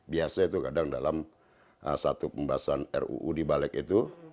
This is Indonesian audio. biasa itu kadang dalam satu pembahasan ruu di balik itu